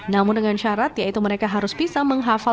namun dengan syarat yaitu mereka harus bisa menghafal